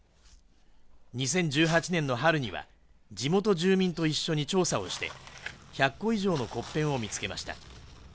２０１８年の春には、地元住民と一緒に調査をして、１００個以上の骨片を見つけました。